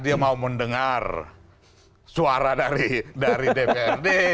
dia mau mendengar suara dari dprd